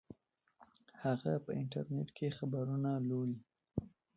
هغه په انټرنیټ خبرونه لولي